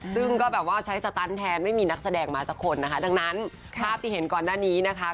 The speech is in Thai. ซึ่งก็แบบว่าใช้สตันแทนไม่มีนักแสดงมาสักคนนะคะดังนั้นภาพที่เห็นก่อนหน้านี้นะคะ